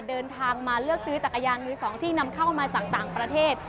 เดินทางมาเลือกซื้อจักรยานมือสองที่นำเข้ามาจากต่างประเทศ